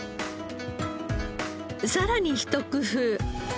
さらにひと工夫。